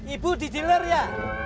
ibu di dealer ya